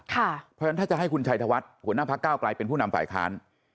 เพราะฉะนั้นถ้าจะให้คุณชัยธวัฒน์หัวหน้าพักเก้าไกลเป็นผู้นำฝ่ายค้าน